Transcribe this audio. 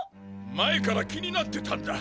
前から気になってたんだ。